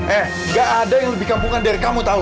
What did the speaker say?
eh gak ada yang lebih kampungan dari kamu tahu